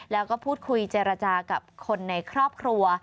แล้วก็พูดคุยเจรจากับคนในครอบครัว